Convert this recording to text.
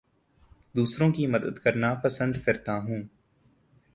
دوسروں کی مدد کرنا پسند کرتا ہوں